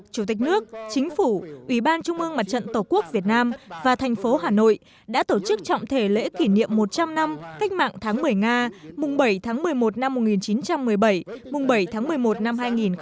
chủ tịch nước chính phủ ủy ban trung ương mặt trận tổ quốc việt nam và thành phố hà nội đã tổ chức trọng thể lễ kỷ niệm một trăm linh năm cách mạng tháng một mươi nga mùng bảy tháng một mươi một năm một nghìn chín trăm một mươi bảy mùng bảy tháng một mươi một năm hai nghìn một mươi chín